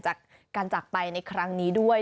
จากการจากไปในครั้งนี้ด้วย